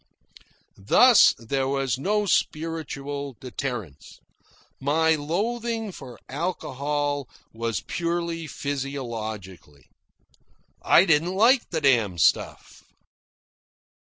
Thus there was no spiritual deterrence. My loathing for alcohol was purely physiological. I didn't like the damned stuff.